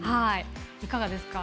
いかがですか。